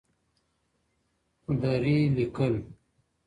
دري لیکل